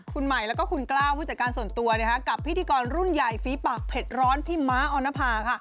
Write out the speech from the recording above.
คุณใหม่แล้วก็คุณกล้าวผู้จัดการส่วนตัวกับพิธีกรรุ่นใหญ่ฝีปากเผ็ดร้อนพี่ม้าออนภาค่ะ